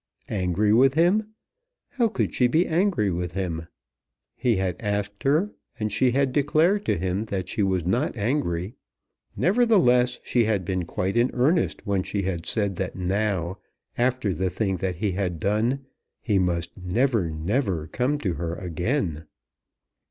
Angry with him! How could she be angry with him? He had asked her, and she had declared to him that she was not angry. Nevertheless she had been quite in earnest when she had said that now, after the thing that he had done, he must "never, never come to her again."